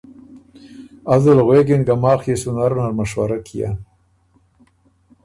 ازل غوېکِن که ”ماخ يې سُو نر نر مشورۀ کئېن“